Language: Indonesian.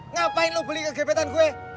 ngapain lo beli ke gebetan gue